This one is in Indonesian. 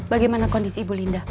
bagaimana kondisi ibu linda